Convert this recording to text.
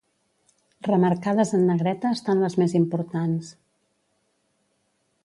Remarcades en negreta estan les més importants.